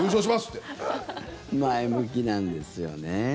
前向きなんですよね。